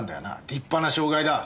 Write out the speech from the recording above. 立派な傷害だ。